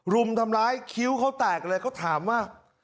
รุมทำร้ายคิ้วเขาแตกเลยเขาถามว่า